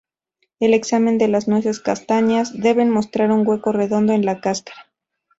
El examen de las nueces castañas deben mostrar un hueco redondo en la cáscara.